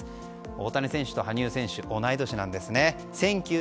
大谷選手と羽生選手同い年なんですね。